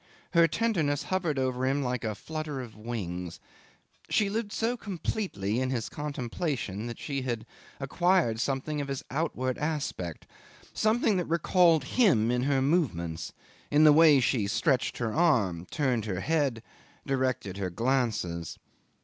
Her tenderness hovered over him like a flutter of wings. She lived so completely in his contemplation that she had acquired something of his outward aspect, something that recalled him in her movements, in the way she stretched her arm, turned her head, directed her glances.